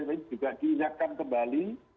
nanti juga diingatkan kembali